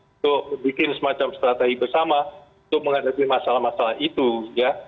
untuk bikin semacam strategi bersama untuk menghadapi masalah masalah itu ya